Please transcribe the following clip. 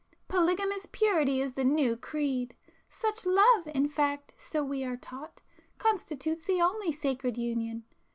Polygamous purity is the 'new' creed! Such love, in fact, [p 372] so we are taught, constitutes the only 'sacred' union.